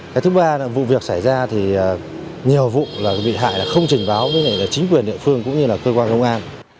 cái thứ ba là vụ việc xảy ra thì nhiều vụ bị hại không trình báo với chính quyền địa phương cũng như cơ quan công an